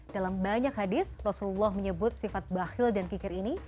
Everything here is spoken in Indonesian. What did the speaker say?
dalam banyak hadis rasulullah menyebut sifat bahhil dan kikir ini